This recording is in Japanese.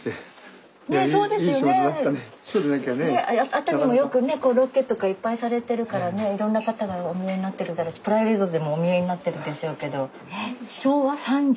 熱海もよくねロケとかいっぱいされてるからねいろんな方がお見えになってるだろうしプライベートでもお見えになってるでしょうけど。